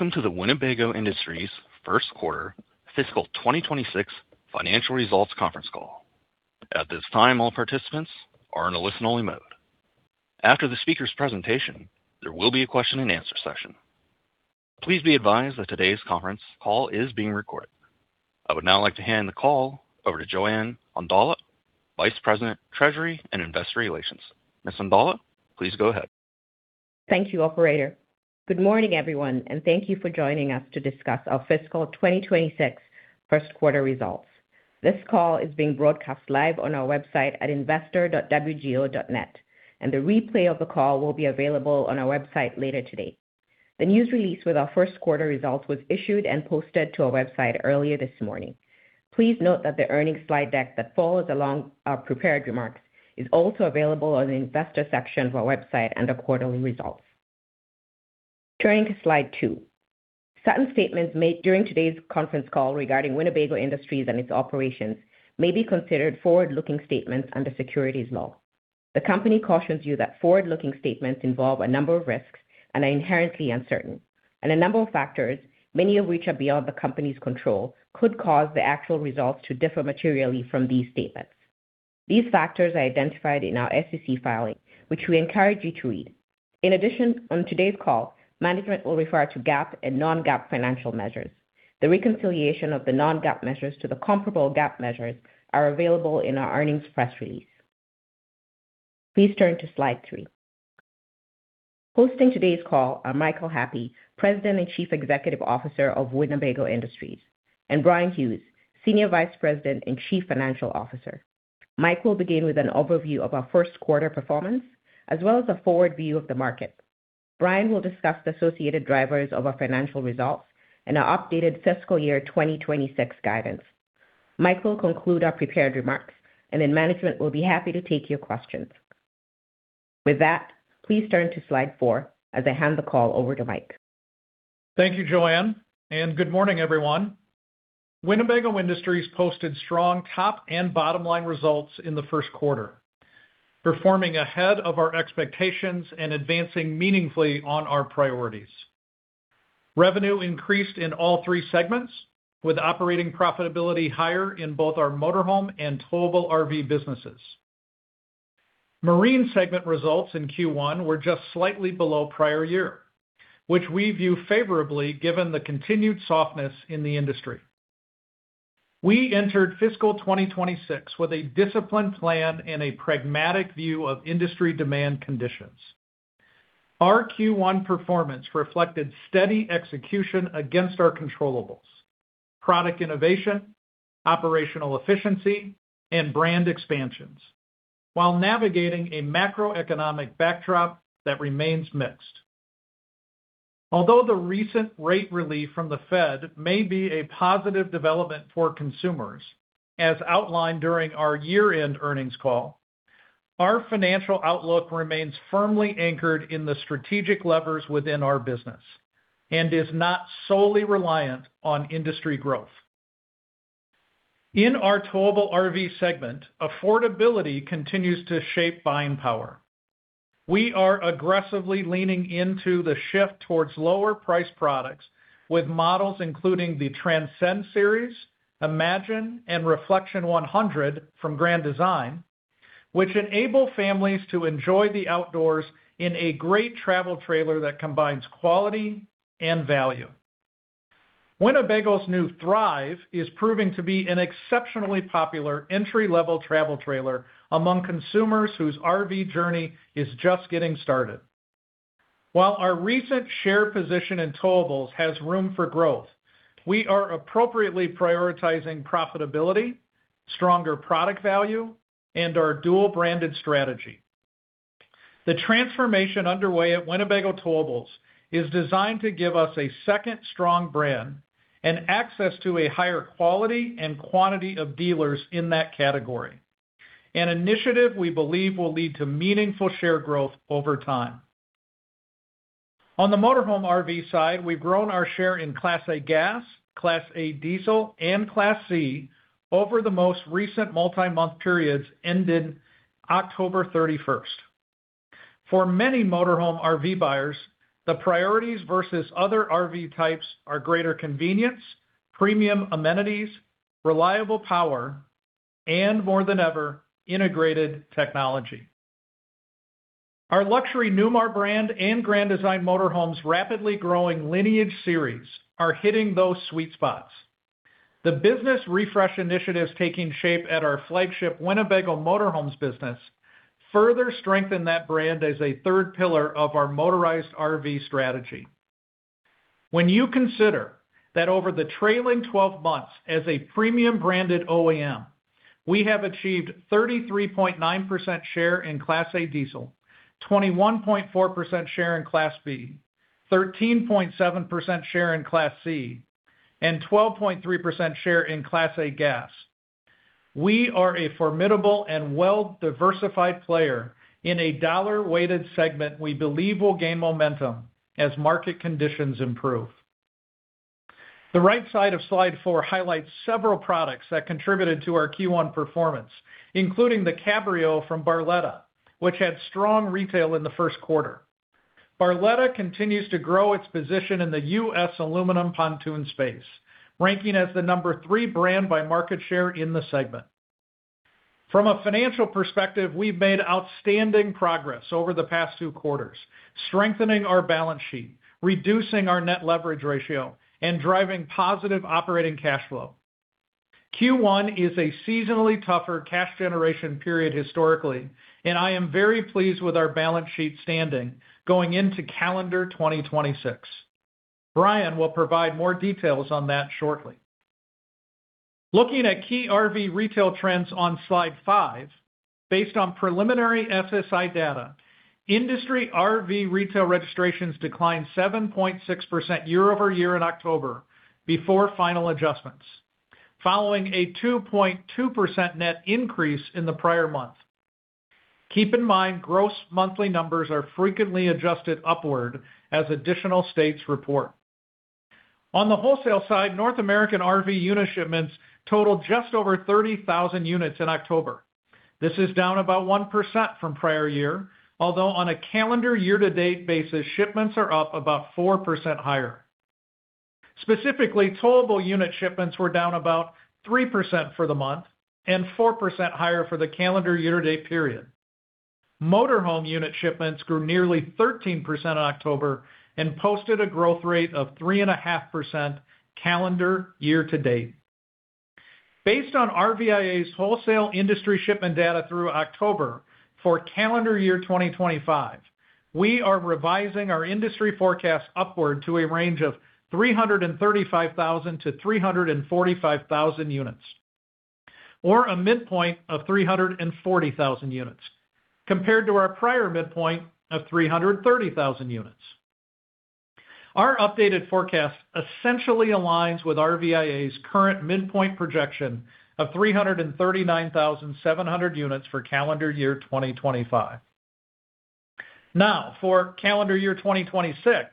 Welcome to the Winnebago Industries first quarter fiscal 2026 financial results conference call. At this time, all participants are in a listen-only mode. After the speaker's presentation, there will be a question-and-answer session. Please be advised that today's conference call is being recorded. I would now like to hand the call over to Joanne Ondala, Vice President, Treasury, and Investor Relations. Ms. Ondala, please go ahead. Thank you, operator. Good morning, everyone, and thank you for joining us to discuss our fiscal 2026 first quarter results. This call is being broadcast live on our website at investor.wgo.net, and the replay of the call will be available on our website later today. The news release with our first quarter results was issued and posted to our website earlier this morning. Please note that the earnings slide deck that follows along our prepared remarks is also available on the investor section of our website under Quarterly Results. Turning to slide two, certain statements made during today's conference call regarding Winnebago Industries and its operations may be considered forward-looking statements under securities law. The company cautions you that forward-looking statements involve a number of risks and are inherently uncertain, and a number of factors, many of which are beyond the company's control, could cause the actual results to differ materially from these statements. These factors are identified in our SEC filing, which we encourage you to read. In addition, on today's call, management will refer to GAAP and non-GAAP financial measures. The reconciliation of the non-GAAP measures to the comparable GAAP measures is available in our earnings press release. Please turn to slide three. Hosting today's call are Michael Happe, President and Chief Executive Officer of Winnebago Industries, and Bryan Hughes, Senior Vice President and Chief Financial Officer. Michael will begin with an overview of our first quarter performance as well as a forward view of the market. Bryan will discuss the associated drivers of our financial results and our updated Fiscal Year 2026 guidance. Michael will conclude our prepared remarks, and then management will be happy to take your questions. With that, please turn to slide four as I hand the call over to Mike. Thank you, Joanne, and good morning, everyone. Winnebago Industries posted strong top and bottom line results in the first quarter, performing ahead of our expectations and advancing meaningfully on our priorities. Revenue increased in all three segments, with operating profitability higher in both our Motorhome and Towable RV businesses. Marine segment results in Q1 were just slightly below prior year, which we view favorably given the continued softness in the industry. We entered Fiscal 2026 with a disciplined plan and a pragmatic view of industry demand conditions. Our Q1 performance reflected steady execution against our controllables, product innovation, operational efficiency, and brand expansions, while navigating a macroeconomic backdrop that remains mixed. Although the recent rate relief from the Fed may be a positive development for consumers, as outlined during our year-end earnings call, our financial outlook remains firmly anchored in the strategic levers within our business and is not solely reliant on industry growth. In our Towable RV segment, affordability continues to shape buying power. We are aggressively leaning into the shift towards lower-priced products with models including the Transcend Series, Imagine, and Reflection 100 from Grand Design, which enable families to enjoy the outdoors in a great travel trailer that combines quality and value. Winnebago's new Thrive is proving to be an exceptionally popular entry-level travel trailer among consumers whose RV journey is just getting started. While our recent share position in towables has room for growth, we are appropriately prioritizing profitability, stronger product value, and our dual-branded strategy. The transformation underway at Winnebago Towables is designed to give us a second strong brand and access to a higher quality and quantity of dealers in that category, an initiative we believe will lead to meaningful share growth over time. On the Motorhome RV side, we've grown our share in Class A Gas, Class A Diesel, and Class C over the most recent multi-month periods ending October 31st. For many Motorhome RV buyers, the priorities versus other RV types are greater convenience, premium amenities, reliable power, and more than ever, integrated technology. Our luxury Newmar brand and Grand Design Motorhome's rapidly growing Lineage Series are hitting those sweet spots. The business refresh initiatives taking shape at our flagship Winnebago Motorhomes business further strengthen that brand as a third pillar of our motorized RV strategy. When you consider that over the trailing 12 months as a premium-branded OEM, we have achieved 33.9% share in Class A Diesel, 21.4% share in Class B, 13.7% share in Class C, and 12.3% share in Class A Gas. We are a formidable and well-diversified player in a dollar-weighted segment we believe will gain momentum as market conditions improve. The right side of slide four highlights several products that contributed to our Q1 performance, including the Cabrio from Barletta, which had strong retail in the first quarter. Barletta continues to grow its position in the U.S. aluminum pontoon space, ranking as the number three brand by market share in the segment. From a financial perspective, we've made outstanding progress over the past two quarters, strengthening our balance sheet, reducing our net leverage ratio, and driving positive operating cash flow. Q1 is a seasonally tougher cash generation period historically, and I am very pleased with our balance sheet standing going into calendar 2026. Bryan will provide more details on that shortly. Looking at key RV retail trends on slide five, based on preliminary SSI data, industry RV retail registrations declined 7.6% year-over-year in October before final adjustments, following a 2.2% net increase in the prior month. Keep in mind, gross monthly numbers are frequently adjusted upward as additional states report. On the wholesale side, North American RV unit shipments totaled just over 30,000 units in October. This is down about 1% from prior year, although on a calendar year-to-date basis, shipments are up about 4% higher. Specifically, towable unit shipments were down about 3% for the month and 4% higher for the calendar year-to-date period. Motorhome unit shipments grew nearly 13% in October and posted a growth rate of 3.5% calendar year-to-date. Based on RVIA's wholesale industry shipment data through October for calendar year 2025, we are revising our industry forecast upward to a range of 335,000-345,000 units, or a midpoint of 340,000 units, compared to our prior midpoint of 330,000 units. Our updated forecast essentially aligns with RVIA's current midpoint projection of 339,700 units for calendar year 2025. Now, for calendar year 2026,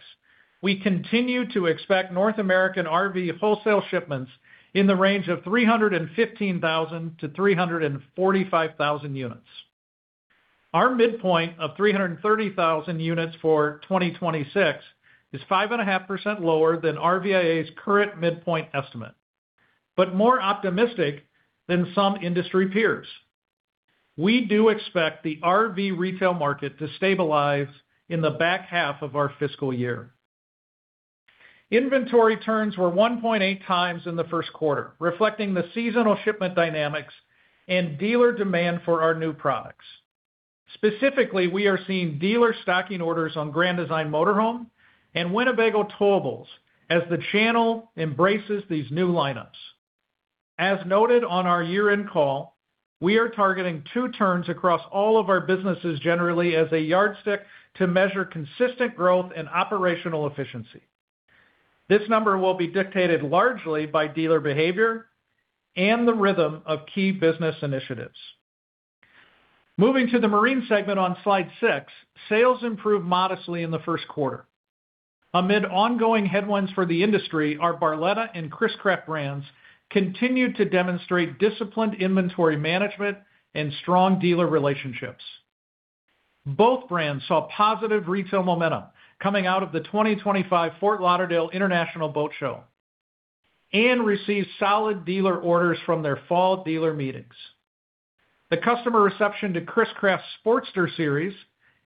we continue to expect North American RV wholesale shipments in the range of 315,000-345,000 units. Our midpoint of 330,000 units for 2026 is 5.5% lower than RVIA's current midpoint estimate, but more optimistic than some industry peers. We do expect the RV retail market to stabilize in the back half of our fiscal year. Inventory turns were 1.8x in the first quarter, reflecting the seasonal shipment dynamics and dealer demand for our new products. Specifically, we are seeing dealer stocking orders on Grand Design Motorhome and Winnebago towables as the channel embraces these new lineups. As noted on our year-end call, we are targeting two turns across all of our businesses generally as a yardstick to measure consistent growth and operational efficiency. This number will be dictated largely by dealer behavior and the rhythm of key business initiatives. Moving to the marine segment on slide six, sales improved modestly in the first quarter. Amid ongoing headwinds for the industry, our Barletta and Chris-Craft brands continued to demonstrate disciplined inventory management and strong dealer relationships. Both brands saw positive retail momentum coming out of the 2025 Fort Lauderdale International Boat Show and received solid dealer orders from their fall dealer meetings. The customer reception to Chris-Craft's Sportster series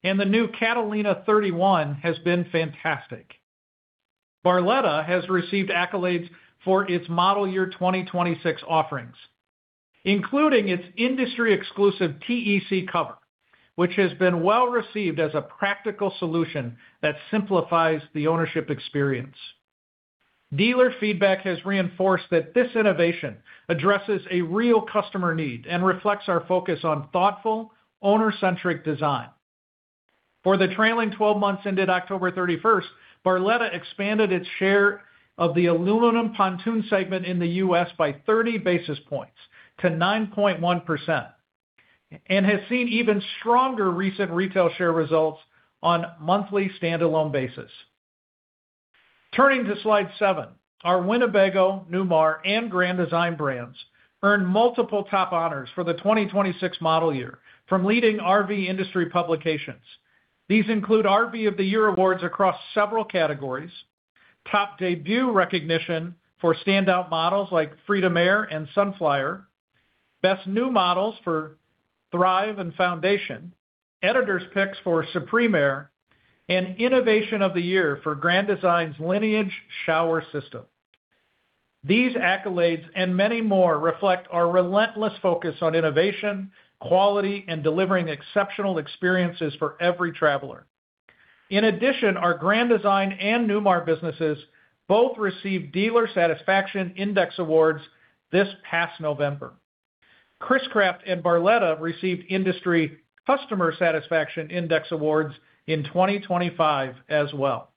and the new Catalina 31 has been fantastic. Barletta has received accolades for its model year 2026 offerings, including its industry-exclusive Tech Cover, which has been well received as a practical solution that simplifies the ownership experience. Dealer feedback has reinforced that this innovation addresses a real customer need and reflects our focus on thoughtful, owner-centric design. For the trailing 12 months ended October 31st, Barletta expanded its share of the aluminum pontoon segment in the U.S. by 30 basis points to 9.1% and has seen even stronger recent retail share results on a monthly standalone basis. Turning to slide seven, our Winnebago, Newmar, and Grand Design brands earned multiple top honors for the 2026 model year from leading RV industry publications. These include RV of the Year awards across several categories, top debut recognition for standout models like Freedom Aire and Sunflyer, best new models for Thrive and Foundation, editors' picks for Supreme Aire, and innovation of the year for Grand Design's Lineage shower system. These accolades and many more reflect our relentless focus on innovation, quality, and delivering exceptional experiences for every traveler. In addition, our Grand Design and Newmar businesses both received Dealer Satisfaction Index Awards this past November. Chris-Craft and Barletta received Industry Customer Satisfaction Index Awards in 2025 as well.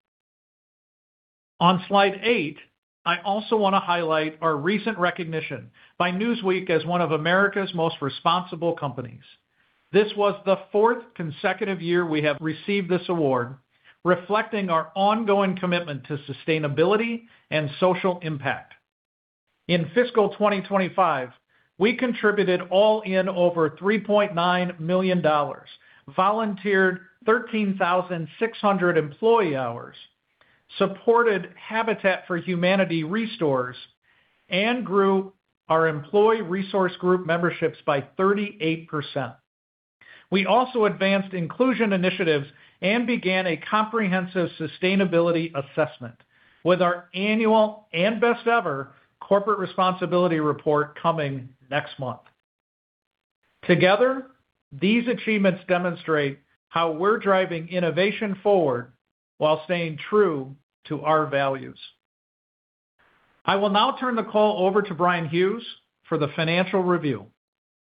On slide eight, I also want to highlight our recent recognition by Newsweek as one of America's most responsible companies. This was the fourth consecutive year we have received this award, reflecting our ongoing commitment to sustainability and social impact. In fiscal 2025, we contributed all in over $3.9 million, volunteered 13,600 employee hours, supported Habitat for Humanity ReStores, and grew our employee resource group memberships by 38%. We also advanced inclusion initiatives and began a comprehensive sustainability assessment with our annual and best-ever corporate responsibility report coming next month. Together, these achievements demonstrate how we're driving innovation forward while staying true to our values. I will now turn the call over to Bryan Hughes for the financial review.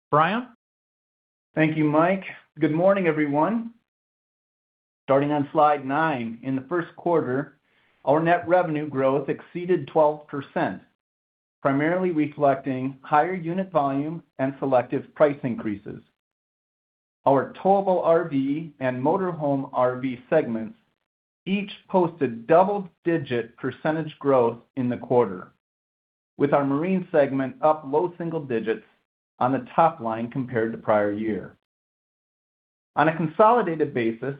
Bryan? Thank you, Mike. Good morning, everyone. Starting on slide nine, in the first quarter, our net revenue growth exceeded 12%, primarily reflecting higher unit volume and selective price increases. Our Towable RV and Motorhome RV segments each posted double-digit percentage growth in the quarter, with our marine segment up low single digits on the top line compared to prior year. On a consolidated basis,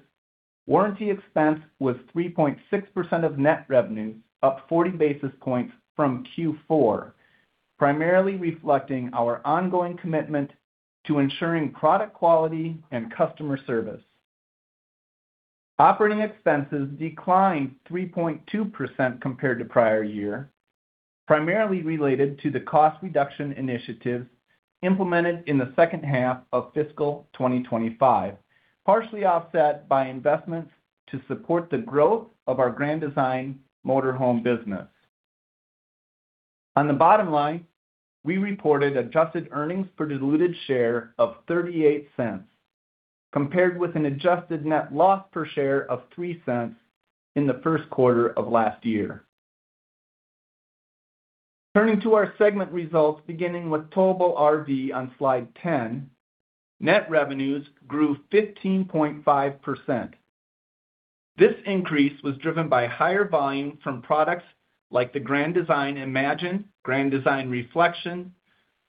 warranty expense was 3.6% of net revenues, up 40 basis points from Q4, primarily reflecting our ongoing commitment to ensuring product quality and customer service. Operating expenses declined 3.2% compared to prior year, primarily related to the cost reduction initiatives implemented in the second half of fiscal 2025, partially offset by investments to support the growth of our Grand Design Motorhome business. On the bottom line, we reported adjusted earnings per diluted share of $0.38, compared with an adjusted net loss per share of $0.03 in the first quarter of last year. Turning to our segment results, beginning with towable RV on slide 10, net revenues grew 15.5%. This increase was driven by higher volume from products like the Grand Design Imagine, Grand Design Reflection,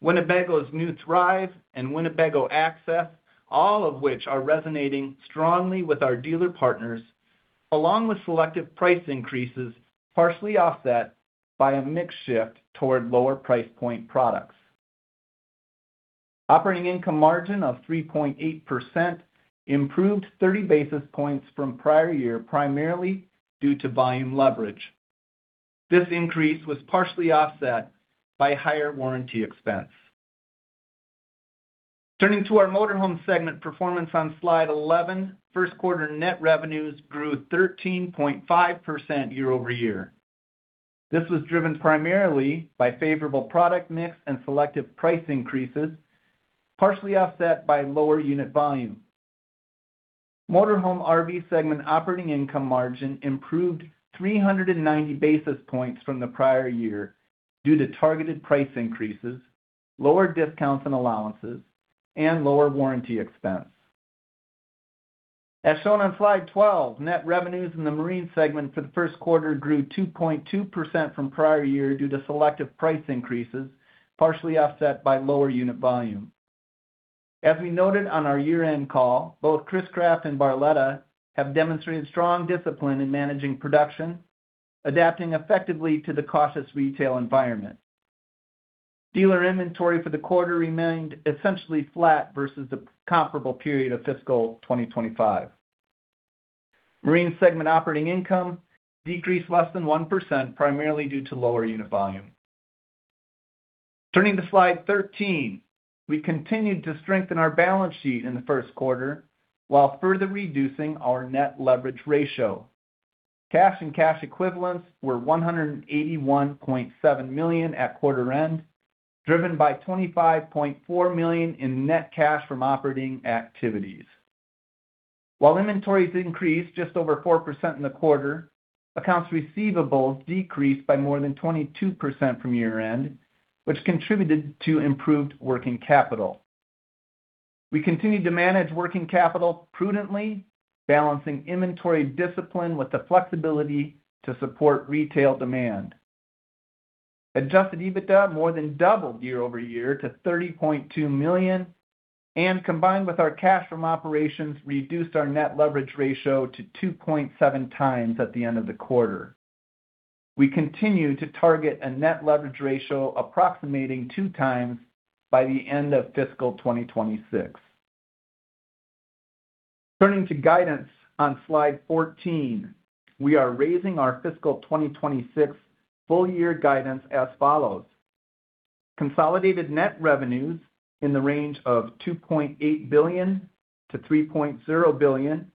Winnebago's new Thrive, and Winnebago Access, all of which are resonating strongly with our dealer partners, along with selective price increases partially offset by a mixed shift toward lower price point products. Operating income margin of 3.8% improved 30 basis points from prior year, primarily due to volume leverage. This increase was partially offset by higher warranty expense. Turning to our Motorhome segment performance on slide 11, first quarter net revenues grew 13.5% year-over-year. This was driven primarily by favorable product mix and selective price increases, partially offset by lower unit volume. Motorhome RV segment operating income margin improved 390 basis points from the prior year due to targeted price increases, lower discounts and allowances, and lower warranty expense. As shown on slide 12, net revenues in the marine segment for the first quarter grew 2.2% from prior year due to selective price increases, partially offset by lower unit volume. As we noted on our year-end call, both Chris-Craft and Barletta have demonstrated strong discipline in managing production, adapting effectively to the cautious retail environment. Dealer inventory for the quarter remained essentially flat versus the comparable period of fiscal 2025. Marine segment operating income decreased less than 1%, primarily due to lower unit volume. Turning to slide 13, we continued to strengthen our balance sheet in the first quarter while further reducing our net leverage ratio. Cash and cash equivalents were $181.7 million at quarter end, driven by $25.4 million in net cash from operating activities. While inventories increased just over 4% in the quarter, accounts receivables decreased by more than 22% from year-end, which contributed to improved working capital. We continue to manage working capital prudently, balancing inventory discipline with the flexibility to support retail demand. Adjusted EBITDA more than doubled year-over-year to $30.2 million, and combined with our cash from operations, reduced our net leverage ratio to 2.7x at the end of the quarter. We continue to target a net leverage ratio approximating two times by the end of fiscal 2026. Turning to guidance on slide 14, we are raising our fiscal 2026 full-year guidance as follows. Consolidated net revenues in the range of $2.8 billion-$3.0 billion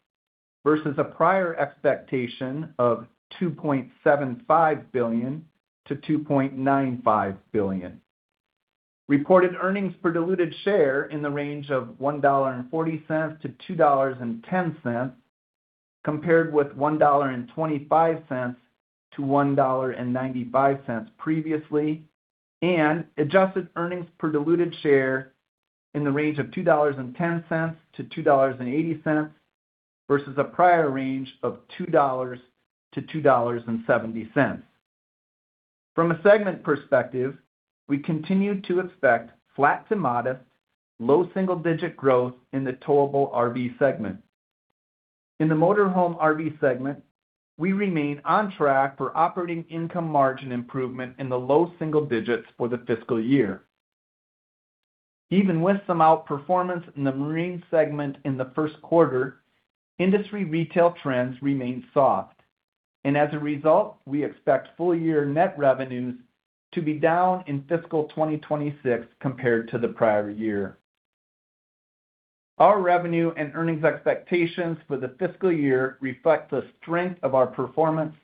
versus a prior expectation of $2.75 billion-$2.95 billion. Reported earnings per diluted share in the range of $1.40-$2.10, compared with $1.25-$1.95 previously, and adjusted earnings per diluted share in the range of $2.10-$2.80 versus a prior range of $2.00-$2.70. From a segment perspective, we continue to expect flat to modest, low single-digit growth in the Towable RV segment. In the Motorhome RV segment, we remain on track for operating income margin improvement in the low single digits for the fiscal year. Even with some outperformance in the marine segment in the first quarter, industry retail trends remain soft, and as a result, we expect full-year net revenues to be down in fiscal 2026 compared to the prior year. Our revenue and earnings expectations for the fiscal year reflect the strength of our performance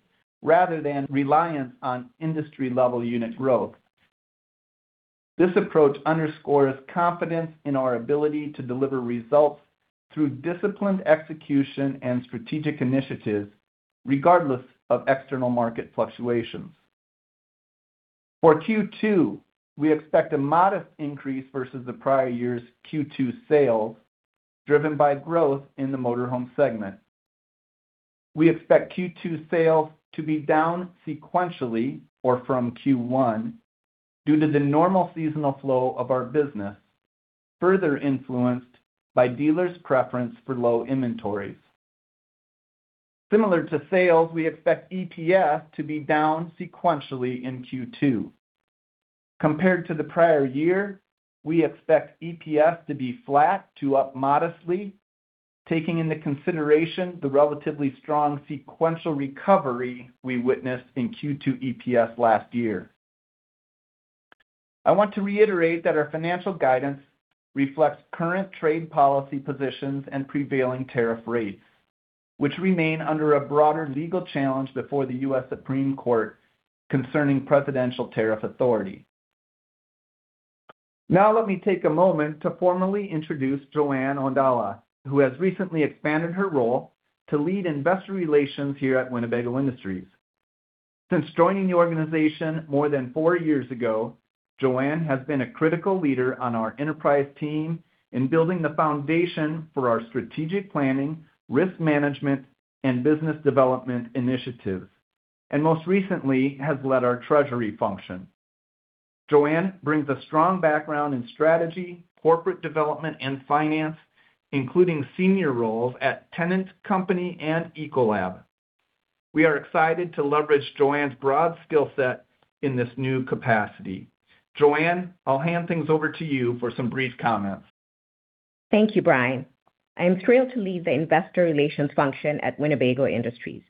rather than reliance on industry-level unit growth. This approach underscores confidence in our ability to deliver results through disciplined execution and strategic initiatives, regardless of external market fluctuations. For Q2, we expect a modest increase versus the prior year's Q2 sales, driven by growth in the Motorhome segment. We expect Q2 sales to be down sequentially or from Q1 due to the normal seasonal flow of our business, further influenced by dealers' preference for low inventories. Similar to sales, we expect EPS to be down sequentially in Q2. Compared to the prior year, we expect EPS to be flat to up modestly, taking into consideration the relatively strong sequential recovery we witnessed in Q2 EPS last year. I want to reiterate that our financial guidance reflects current trade policy positions and prevailing tariff rates, which remain under a broader legal challenge before the U.S. Supreme Court concerning presidential tariff authority. Now, let me take a moment to formally introduce Joanne Ondala, who has recently expanded her role to lead investor relations here at Winnebago Industries. Since joining the organization more than four years ago, Joanne has been a critical leader on our enterprise team in building the foundation for our strategic planning, risk management, and business development initiatives, and most recently has led our treasury function. Joanne brings a strong background in strategy, corporate development, and finance, including senior roles at Tennant Company and Ecolab. We are excited to leverage Joanne's broad skill set in this new capacity. Joanne, I'll hand things over to you for some brief comments. Thank you, Bryan. I am thrilled to lead the investor relations function at Winnebago Industries.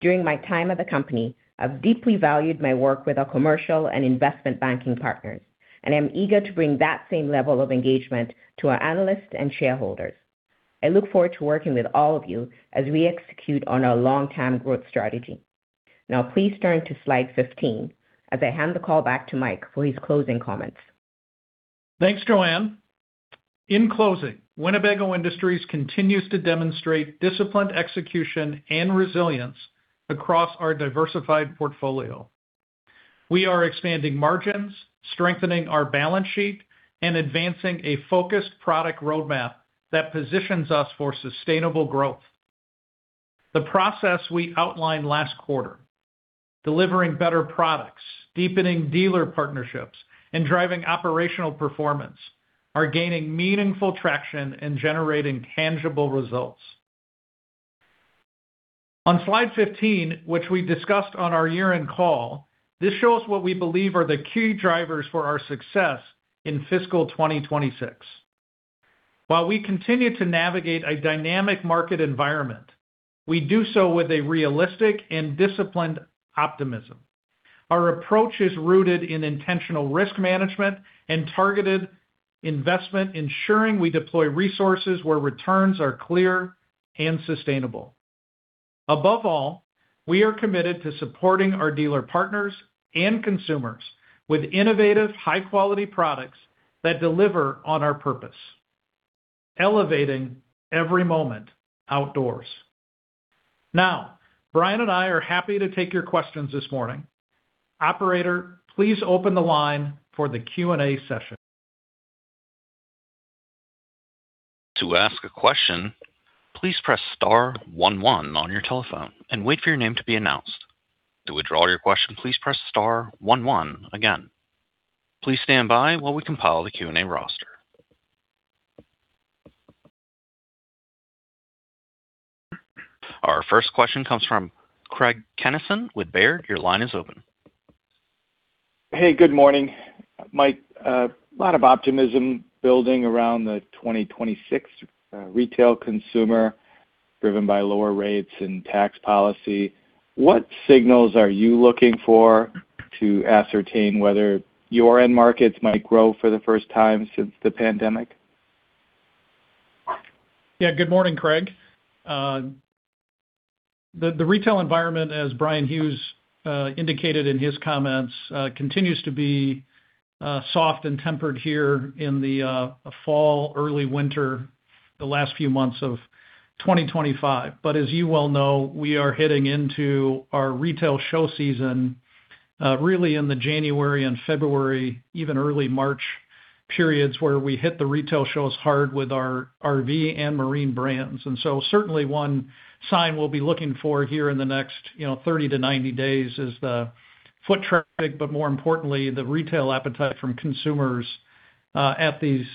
During my time at the company, I've deeply valued my work with our commercial and investment banking partners, and I'm eager to bring that same level of engagement to our analysts and shareholders. I look forward to working with all of you as we execute on our long-term growth strategy. Now, please turn to slide 15 as I hand the call back to Mike for his closing comments. Thanks, Joanne. In closing, Winnebago Industries continues to demonstrate disciplined execution and resilience across our diversified portfolio. We are expanding margins, strengthening our balance sheet, and advancing a focused product roadmap that positions us for sustainable growth. The process we outlined last quarter, delivering better products, deepening dealer partnerships, and driving operational performance, are gaining meaningful traction and generating tangible results. On slide 15, which we discussed on our year-end call, this shows what we believe are the key drivers for our success in fiscal 2026. While we continue to navigate a dynamic market environment, we do so with a realistic and disciplined optimism. Our approach is rooted in intentional risk management and targeted investment, ensuring we deploy resources where returns are clear and sustainable. Above all, we are committed to supporting our dealer partners and consumers with innovative, high-quality products that deliver on our purpose, elevating every moment outdoors. Now, Bryan and I are happy to take your questions this morning. Operator, please open the line for the Q&A session. To ask a question, please press star one one on your telephone and wait for your name to be announced. To withdraw your question, please press star one one again. Please stand by while we compile the Q&A roster. Our first question comes from Craig Kennison with Baird. Your line is open. Hey, good morning. Mike, a lot of optimism building around the 2026 retail consumer driven by lower rates and tax policy. What signals are you looking for to ascertain whether your end markets might grow for the first time since the pandemic? Yeah, good morning, Craig. The retail environment, as Bryan Hughes indicated in his comments, continues to be soft and tempered here in the fall, early winter, the last few months of 2025. But as you well know, we are heading into our retail show season, really in the January and February, even early March periods where we hit the retail shows hard with our RV and marine brands. And so certainly one sign we'll be looking for here in the next 30-90 days is the foot traffic, but more importantly, the retail appetite from consumers at these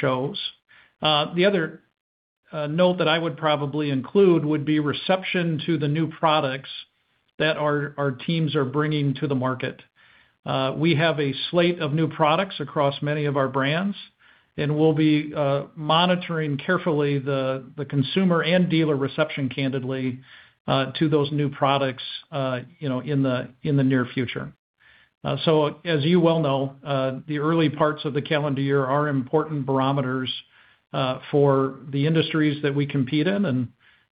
shows. The other note that I would probably include would be reception to the new products that our teams are bringing to the market. We have a slate of new products across many of our brands, and we'll be monitoring carefully the consumer and dealer reception, candidly, to those new products in the near future. So as you well know, the early parts of the calendar year are important barometers for the industries that we compete in.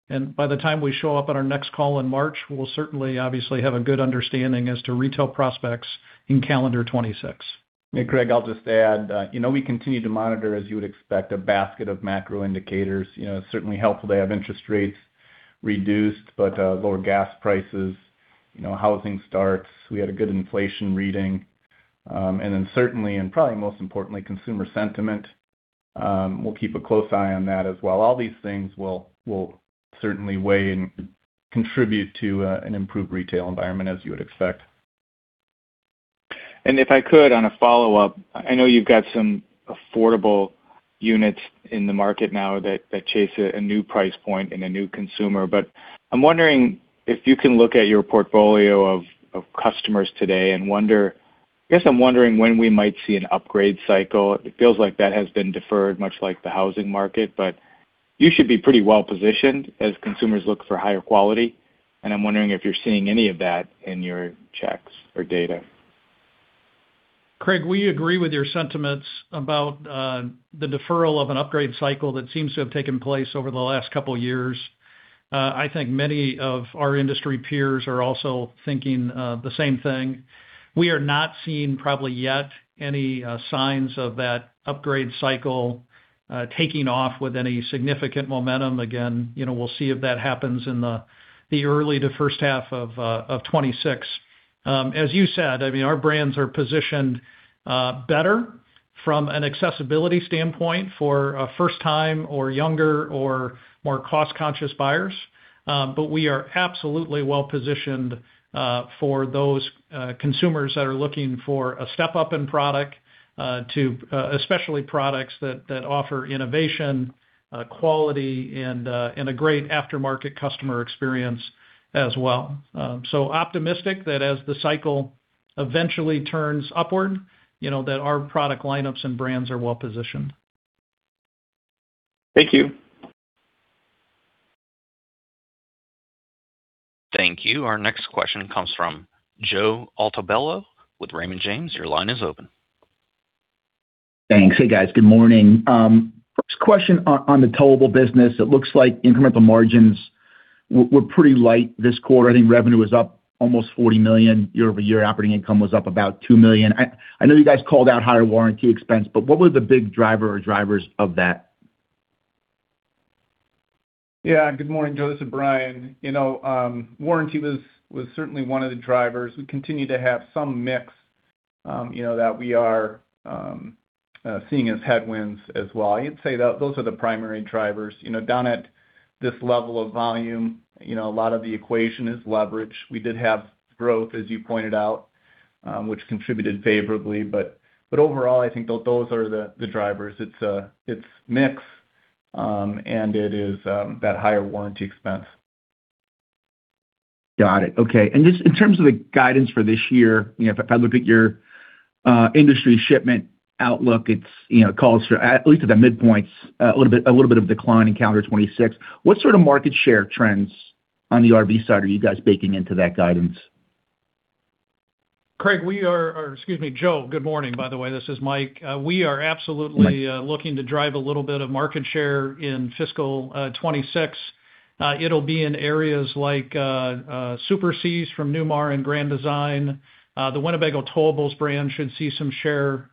And by the time we show up on our next call in March, we'll certainly, obviously, have a good understanding as to retail prospects in calendar 2026. Hey, Craig, I'll just add, we continue to monitor, as you would expect, a basket of macro indicators. It's certainly helpful to have interest rates reduced, but lower gas prices, housing starts. We had a good inflation reading. And then certainly, and probably most importantly, consumer sentiment. We'll keep a close eye on that as well. All these things will certainly weigh and contribute to an improved retail environment, as you would expect. And if I could, on a follow-up, I know you've got some affordable units in the market now that chase a new price point and a new consumer. But I'm wondering if you can look at your portfolio of customers today and wonder, I guess I'm wondering when we might see an upgrade cycle. It feels like that has been deferred, much like the housing market, but you should be pretty well positioned as consumers look for higher quality, and I'm wondering if you're seeing any of that in your checks or data. Craig, we agree with your sentiments about the deferral of an upgrade cycle that seems to have taken place over the last couple of years. I think many of our industry peers are also thinking the same thing. We are not seeing probably yet any signs of that upgrade cycle taking off with any significant momentum. Again, we'll see if that happens in the early to first half of 2026. As you said, I mean, our brands are positioned better from an accessibility standpoint for first-time or younger or more cost-conscious buyers. But we are absolutely well positioned for those consumers that are looking for a step-up in product, especially products that offer innovation, quality, and a great aftermarket customer experience as well. So optimistic that as the cycle eventually turns upward, that our product lineups and brands are well positioned. Thank you. Thank you. Our next question comes from Joe Altobello with Raymond James. Your line is open. Thanks. Hey, guys. Good morning. First question on the towable business. It looks like incremental margins were pretty light this quarter. I think revenue was up almost $40 million. Year-over-year operating income was up about $2 million. I know you guys called out higher warranty expense, but what were the big driver or drivers of that? Yeah. Good morning, Joseph. Bryan, warranty was certainly one of the drivers. We continue to have some mix that we are seeing as headwinds as well. I'd say those are the primary drivers. Down at this level of volume, a lot of the equation is leverage. We did have growth, as you pointed out, which contributed favorably. But overall, I think those are the drivers. It's mixed, and it is that higher warranty expense. Got it. Okay. And just in terms of the guidance for this year, if I look at your industry shipment outlook, it calls for, at least at the midpoint, a little bit of decline in calendar 2026. What sort of market share trends on the RV side are you guys baking into that guidance? Craig, we are, excuse me, Joe, good morning, by the way. This is Mike. We are absolutely looking to drive a little bit of market share in fiscal 2026. It'll be in areas like Super Cs from Newmar and Grand Design. The Winnebago Towables brand should see some share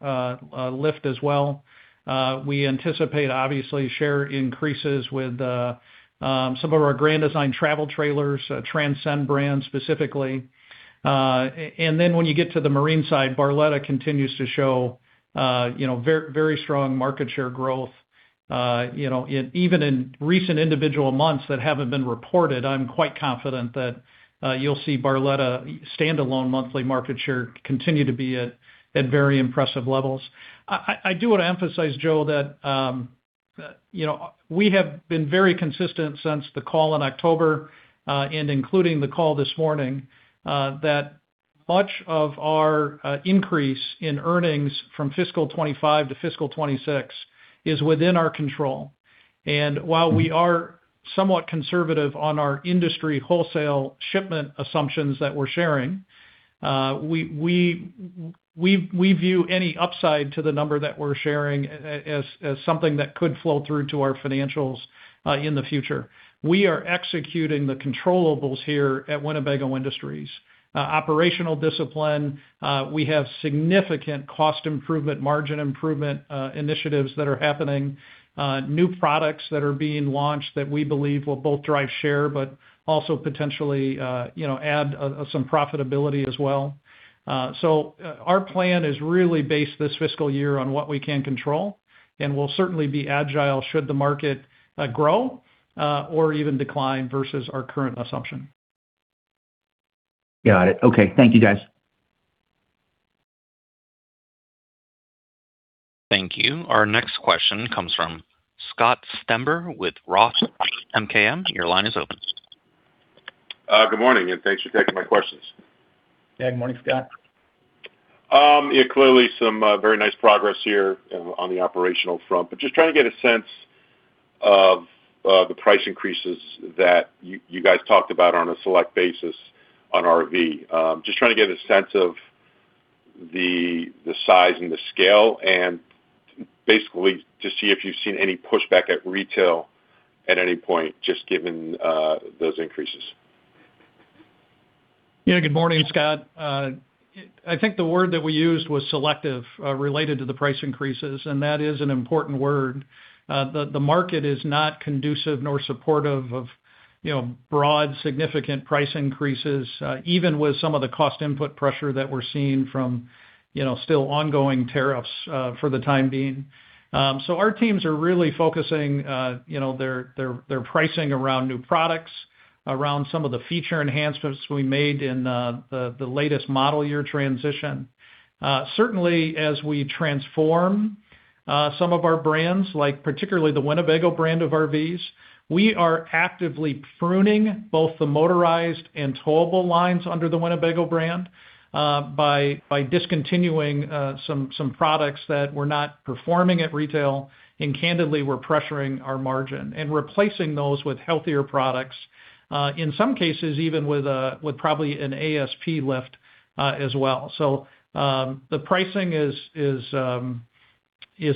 lift as well. We anticipate, obviously, share increases with some of our Grand Design travel trailers, Transcend brand specifically. And then when you get to the marine side, Barletta continues to show very strong market share growth. Even in recent individual months that haven't been reported, I'm quite confident that you'll see Barletta standalone monthly market share continue to be at very impressive levels. I do want to emphasize, Joe, that we have been very consistent since the call in October and including the call this morning that much of our increase in earnings from fiscal 2025 to fiscal 2026 is within our control, and while we are somewhat conservative on our industry wholesale shipment assumptions that we're sharing, we view any upside to the number that we're sharing as something that could flow through to our financials in the future. We are executing the controllable here at Winnebago Industries. Operational discipline, we have significant cost improvement, margin improvement initiatives that are happening, new products that are being launched that we believe will both drive share but also potentially add some profitability as well, so our plan is really based this fiscal year on what we can control, and we'll certainly be agile should the market grow or even decline versus our current assumption. Got it. Okay. Thank you, guys. Thank you. Our next question comes from Scott Stember with Roth MKM. Your line is open. Good morning, and thanks for taking my questions. Yeah. Good morning, Scott. Yeah. Clearly, some very nice progress here on the operational front, but just trying to get a sense of the price increases that you guys talked about on a select basis on RV. Just trying to get a sense of the size and the scale and basically to see if you've seen any pushback at retail at any point just given those increases? Yeah. Good morning, Scott. I think the word that we used was selective related to the price increases, and that is an important word. The market is not conducive nor supportive of broad, significant price increases, even with some of the cost input pressure that we're seeing from still ongoing tariffs for the time being. So our teams are really focusing their pricing around new products, around some of the feature enhancements we made in the latest model year transition. Certainly, as we transform some of our brands, like particularly the Winnebago brand of RVs, we are actively pruning both the motorized and towable lines under the Winnebago brand by discontinuing some products that were not performing at retail and, candidly, were pressuring our margin and replacing those with healthier products, in some cases, even with probably an ASP lift as well. The pricing is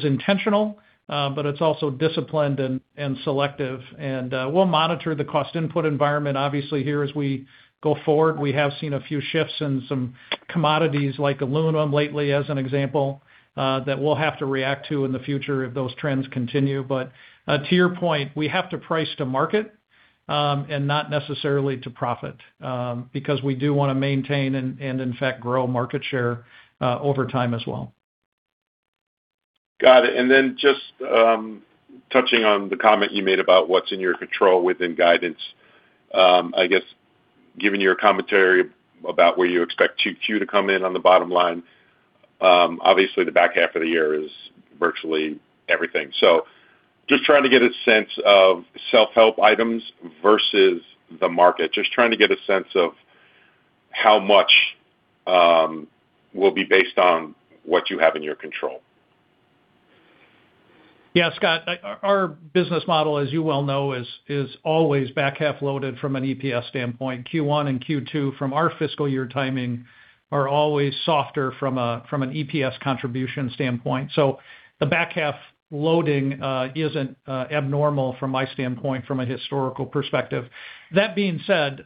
intentional, but it's also disciplined and selective. We'll monitor the cost input environment. Obviously, here as we go forward, we have seen a few shifts in some commodities like aluminum lately, as an example, that we'll have to react to in the future if those trends continue. To your point, we have to price to market and not necessarily to profit because we do want to maintain and, in fact, grow market share over time as well. Got it. And then just touching on the comment you made about what's in your control within guidance, I guess given your commentary about where you expect Q2 to come in on the bottom line, obviously, the back half of the year is virtually everything. So just trying to get a sense of self-help items versus the market, just trying to get a sense of how much will be based on what you have in your control. Yeah. Scott, our business model, as you well know, is always back half loaded from an EPS standpoint. Q1 and Q2 from our fiscal year timing are always softer from an EPS contribution standpoint. So the back half loading isn't abnormal from my standpoint, from a historical perspective. That being said,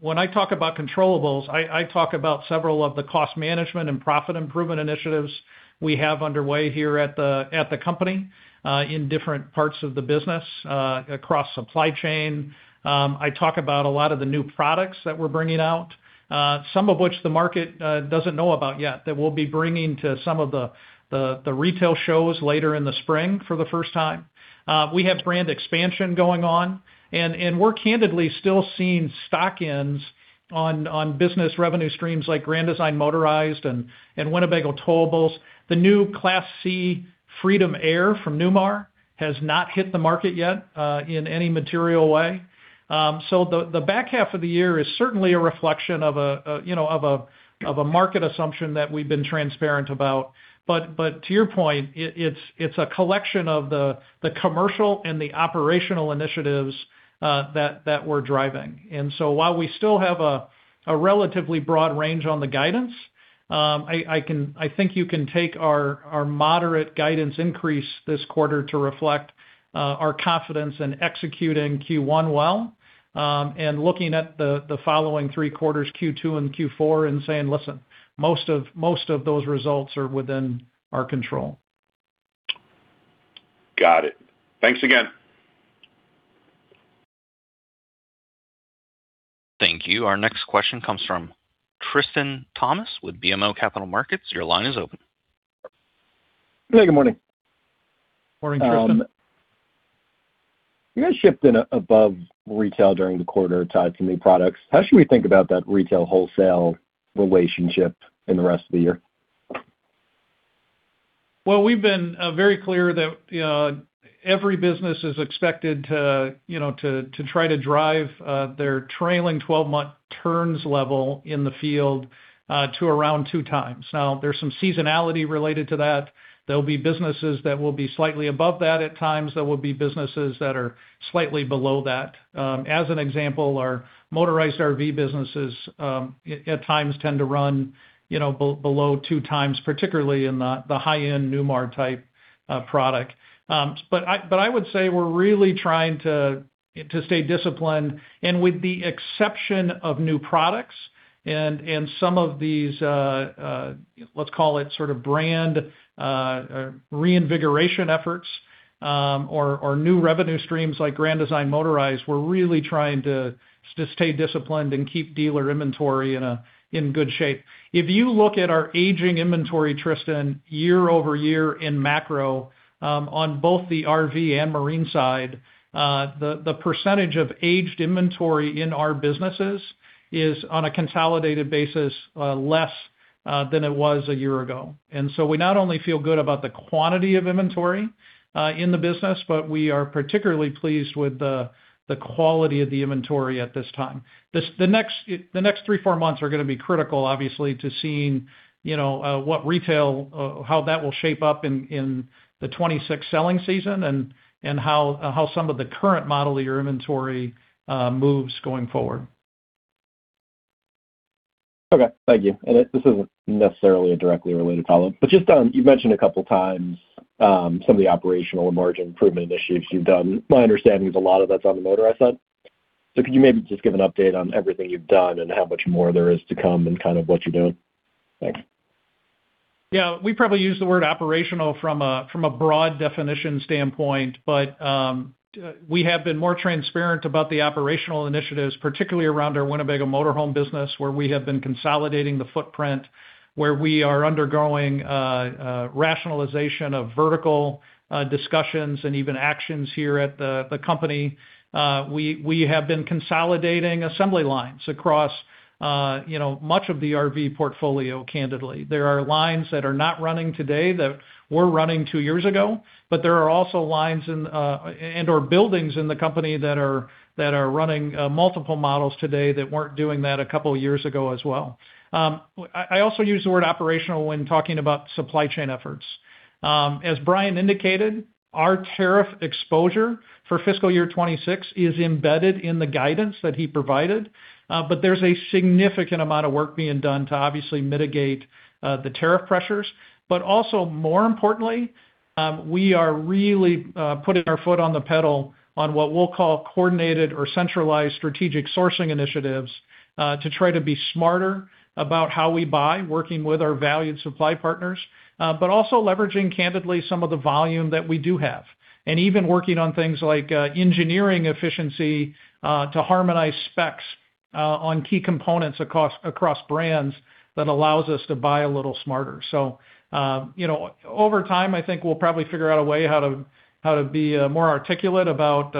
when I talk about controllables, I talk about several of the cost management and profit improvement initiatives we have underway here at the company in different parts of the business across supply chain. I talk about a lot of the new products that we're bringing out, some of which the market doesn't know about yet that we'll be bringing to some of the retail shows later in the spring for the first time. We have brand expansion going on, and we're candidly still seeing softness in business revenue streams like Grand Design Motorized and Winnebago Towables. The new Class C Freedom Aire from Newmar has not hit the market yet in any material way. So the back half of the year is certainly a reflection of a market assumption that we've been transparent about. But to your point, it's a collection of the commercial and the operational initiatives that we're driving. And so while we still have a relatively broad range on the guidance, I think you can take our moderate guidance increase this quarter to reflect our confidence in executing Q1 well and looking at the following three quarters, Q2 and Q4, and saying, "Listen, most of those results are within our control. Got it. Thanks again. Thank you. Our next question comes from Tristan Thomas with BMO Capital Markets. Your line is open. Hey, good morning. Morning, Tristan. You guys shipped above retail during the quarter tied to new products. How should we think about that retail wholesale relationship in the rest of the year? We've been very clear that every business is expected to try to drive their trailing 12-month turns level in the field to around two times. Now, there's some seasonality related to that. There'll be businesses that will be slightly above that at times. There will be businesses that are slightly below that. As an example, our motorized RV businesses at times tend to run below two times, particularly in the high-end Newmar type product. But I would say we're really trying to stay disciplined with the exception of new products and some of these, let's call it sort of brand reinvigoration efforts or new revenue streams like Grand Design Motorized. We're really trying to stay disciplined and keep dealer inventory in good shape. If you look at our aging inventory, Tristan, year over year in macro on both the RV and marine side, the percentage of aged inventory in our businesses is, on a consolidated basis, less than it was a year ago. And so we not only feel good about the quantity of inventory in the business, but we are particularly pleased with the quality of the inventory at this time. The next three, four months are going to be critical, obviously, to seeing how that will shape up in the 2026 selling season and how some of the current model year inventory moves going forward. Okay. Thank you. And this isn't necessarily a directly related follow-up, but you've mentioned a couple of times some of the operational and margin improvement initiatives you've done. My understanding is a lot of that's on the motorized side. So could you maybe just give an update on everything you've done and how much more there is to come and kind of what you're doing? Thanks. Yeah. We probably use the word operational from a broad definition standpoint, but we have been more transparent about the operational initiatives, particularly around our Winnebago Motorhome business, where we have been consolidating the footprint, where we are undergoing rationalization of vertical discussions and even actions here at the company. We have been consolidating assembly lines across much of the RV portfolio, candidly. There are lines that are not running today that were running two years ago, but there are also lines and/or buildings in the company that are running multiple models today that weren't doing that a couple of years ago as well. I also use the word operational when talking about supply chain efforts. As Bryan indicated, our tariff exposure for fiscal year 2026 is embedded in the guidance that he provided, but there's a significant amount of work being done to obviously mitigate the tariff pressures. But also, more importantly, we are really putting our foot on the pedal on what we'll call coordinated or centralized strategic sourcing initiatives to try to be smarter about how we buy, working with our valued supply partners, but also leveraging, candidly, some of the volume that we do have and even working on things like engineering efficiency to harmonize specs on key components across brands that allows us to buy a little smarter. So over time, I think we'll probably figure out a way how to be more articulate about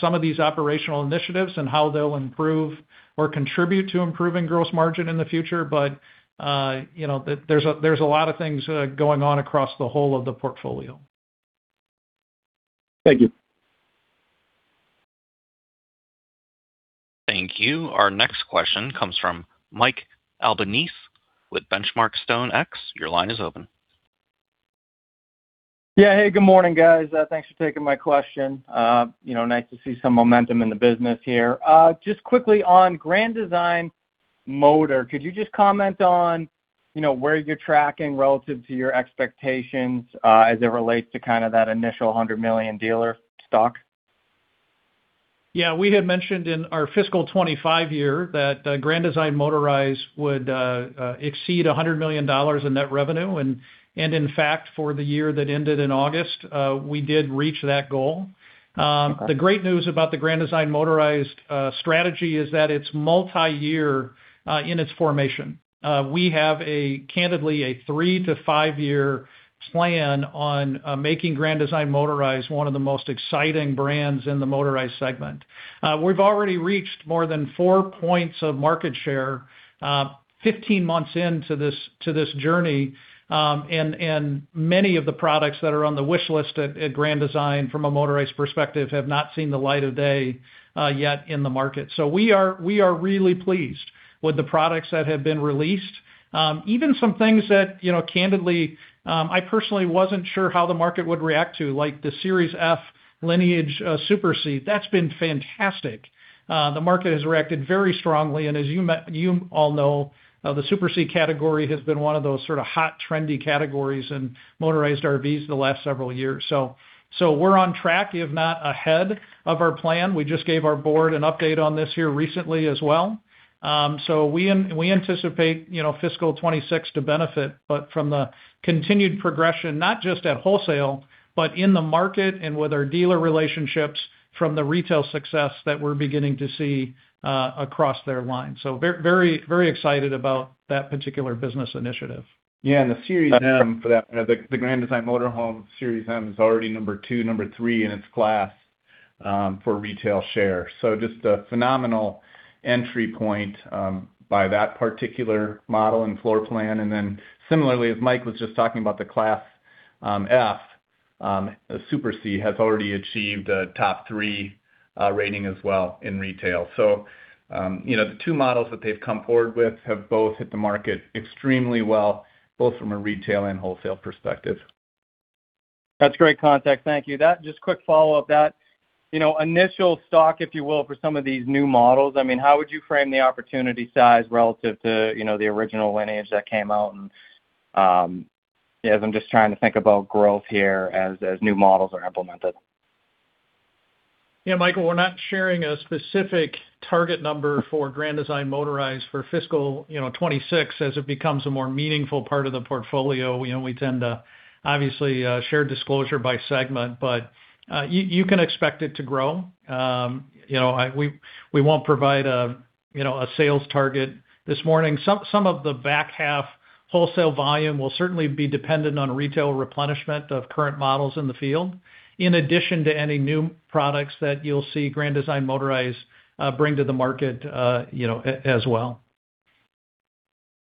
some of these operational initiatives and how they'll improve or contribute to improving gross margin in the future. But there's a lot of things going on across the whole of the portfolio. Thank you. Thank you. Our next question comes from Mike Albanese with The Benchmark Company. Your line is open. Yeah. Hey, good morning, guys. Thanks for taking my question. Nice to see some momentum in the business here. Just quickly on Grand Design Motor, could you just comment on where you're tracking relative to your expectations as it relates to kind of that initial $100 million dealer stock? Yeah. We had mentioned in our fiscal 2025 year that Grand Design Motorized would exceed $100 million in net revenue. And in fact, for the year that ended in August, we did reach that goal. The great news about the Grand Design Motorized strategy is that it's multi-year in its formation. We have, candidly, a three- to five-year plan on making Grand Design Motorized one of the most exciting brands in the motorized segment. We've already reached more than four points of market share 15 months into this journey, and many of the products that are on the wish list at Grand Design from a motorized perspective have not seen the light of day yet in the market. We are really pleased with the products that have been released, even some things that, candidly, I personally wasn't sure how the market would react to, like the Lineage Series F Super C. That's been fantastic. The market has reacted very strongly. As you all know, the Super C category has been one of those sort of hot, trendy categories in motorized RVs the last several years. We're on track, if not ahead of our plan. We just gave our board an update on this here recently as well. We anticipate fiscal 2026 to benefit from the continued progression, not just at wholesale, but in the market and with our dealer relationships from the retail success that we're beginning to see across their line. We're very excited about that particular business initiative. Yeah. And the Series M, for that matter, the Grand Design Motorhome Series M is already number two, number three in its class for retail share. So just a phenomenal entry point by that particular model and floor plan. And then similarly, as Mike was just talking about the Class F, the Super C has already achieved a top three rating as well in retail. So the two models that they've come forward with have both hit the market extremely well, both from a retail and wholesale perspective. That's great context. Thank you. Just quick follow-up, that initial stock, if you will, for some of these new models, I mean, how would you frame the opportunity size relative to the original lineage that came out, and yeah, I'm just trying to think about growth here as new models are implemented. Yeah, Michael, we're not sharing a specific target number for Grand Design Motorized for fiscal 2026 as it becomes a more meaningful part of the portfolio. We tend to obviously share disclosure by segment, but you can expect it to grow. We won't provide a sales target this morning. Some of the back half wholesale volume will certainly be dependent on retail replenishment of current models in the field, in addition to any new products that you'll see Grand Design Motorized bring to the market as well.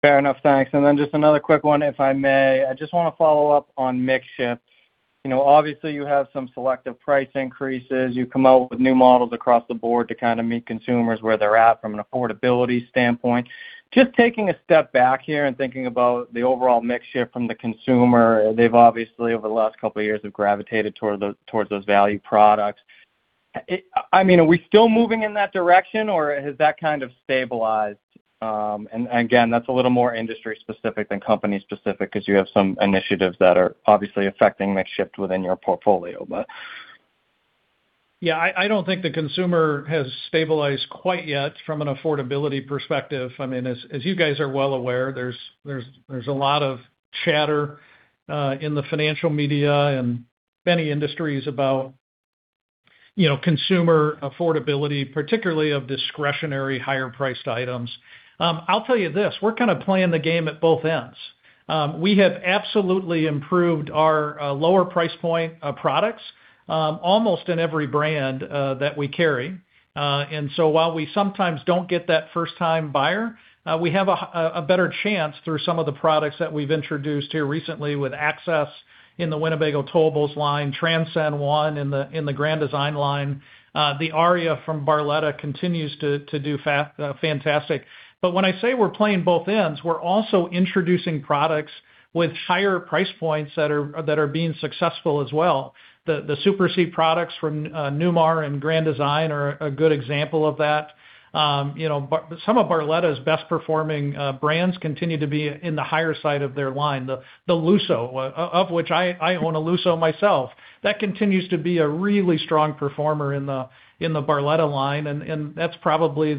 Fair enough. Thanks. And then just another quick one, if I may. I just want to follow up on mixed shifts. Obviously, you have some selective price increases. You come out with new models across the board to kind of meet consumers where they're at from an affordability standpoint. Just taking a step back here and thinking about the overall mixed shift from the consumer, they've obviously, over the last couple of years, gravitated towards those value products. I mean, are we still moving in that direction, or has that kind of stabilized? And again, that's a little more industry-specific than company-specific because you have some initiatives that are obviously affecting mixed shift within your portfolio, but. Yeah. I don't think the consumer has stabilized quite yet from an affordability perspective. I mean, as you guys are well aware, there's a lot of chatter in the financial media and many industries about consumer affordability, particularly of discretionary higher-priced items. I'll tell you this. We're kind of playing the game at both ends. We have absolutely improved our lower price point products almost in every brand that we carry. And so while we sometimes don't get that first-time buyer, we have a better chance through some of the products that we've introduced here recently with Access in the Winnebago Towables line, Transcend One in the Grand Design line. The Aria from Barletta continues to do fantastic. But when I say we're playing both ends, we're also introducing products with higher price points that are being successful as well. The Super C products from Newmar and Grand Design are a good example of that. Some of Barletta's best-performing brands continue to be in the higher side of their line. The Lusso, of which I own a Lusso myself, that continues to be a really strong performer in the Barletta line. That's probably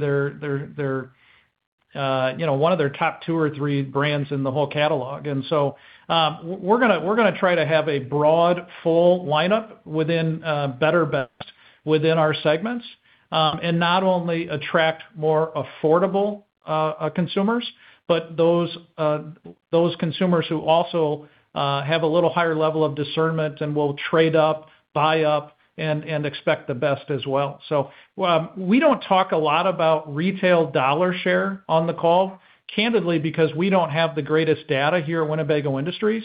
one of their top two or three brands in the whole catalog. We're going to try to have a broad, full lineup within Better Best within our segments and not only attract more affordable consumers, but those consumers who also have a little higher level of discernment and will trade up, buy up, and expect the best as well. We don't talk a lot about retail dollar share on the call, candidly, because we don't have the greatest data here at Winnebago Industries.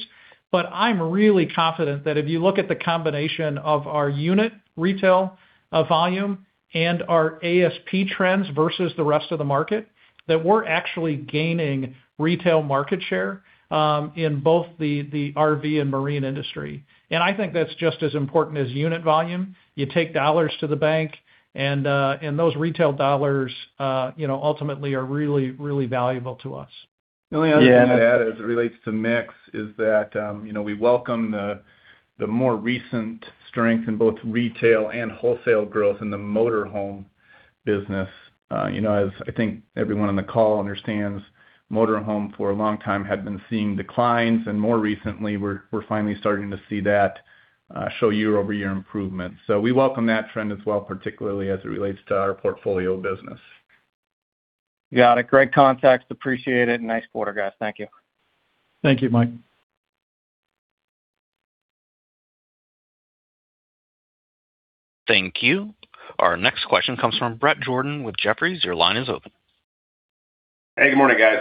But I'm really confident that if you look at the combination of our unit retail volume and our ASP trends versus the rest of the market, that we're actually gaining retail market share in both the RV and marine industry. And I think that's just as important as unit volume. You take dollars to the bank, and those retail dollars ultimately are really, really valuable to us. The only other thing I'd add as it relates to mix is that we welcome the more recent strength in both retail and wholesale growth in the Motorhome business. As I think everyone on the call understands, Motorhome for a long time had been seeing declines, and more recently, we're finally starting to see that show year-over-year improvement. So we welcome that trend as well, particularly as it relates to our portfolio business. Got it. Great context. Appreciate it. Nice quarter, guys. Thank you. Thank you, Mike. Thank you. Our next question comes from Brett Jordan with Jefferies. Your line is open. Hey, good morning, guys.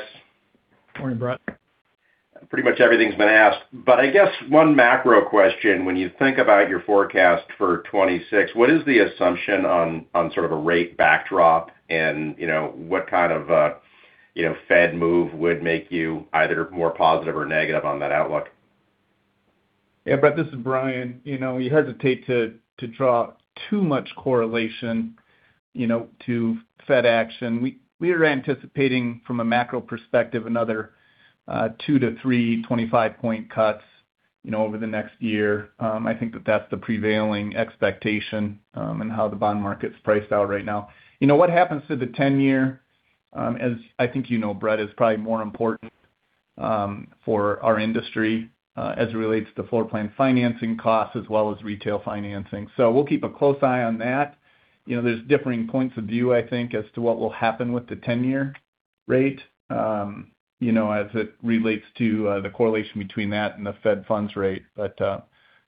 Morning, Brett. Pretty much everything's been asked, but I guess one macro question. When you think about your forecast for 2026, what is the assumption on sort of a rate backdrop and what kind of Fed move would make you either more positive or negative on that outlook? Yeah, Brett, this is Bryan. You hesitate to draw too much correlation to Fed action. We are anticipating, from a macro perspective, another two to three 25-point cuts over the next year. I think that that's the prevailing expectation and how the bond market's priced out right now. What happens to the 10-year, as I think you know, Brett, is probably more important for our industry as it relates to floor plan financing costs as well as retail financing. So we'll keep a close eye on that. There's differing points of view, I think, as to what will happen with the 10-year rate as it relates to the correlation between that and the Fed funds rate. But